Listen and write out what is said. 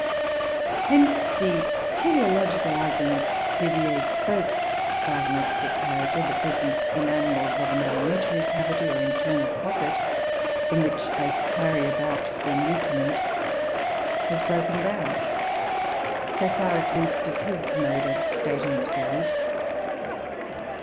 Hence the teleological argument for Cuvier's first diagnostic character the presence in animals of an alimentary cavity, or internal pocket, in which they can carry about their nutriment has broken down, so far, at least, as his mode of stating it goes.